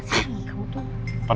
apaan tempat ini kalah